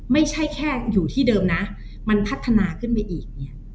ไม่ใช่แค่อยู่ที่เดิมนะมันพัฒนาขึ้นไปอีกเนี่ย